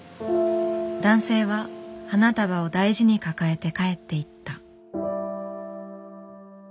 男性は花束を大事に抱えて帰っていった。